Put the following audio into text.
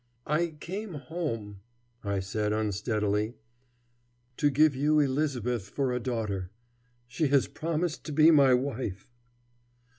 "I came home," I said unsteadily, "to give you Elisabeth for a daughter. She has promised to be my wife."